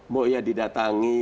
mau ya didatangi